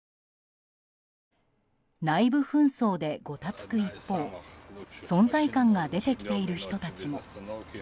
内部紛争でごたつく一方存在感が出てきている人たちも。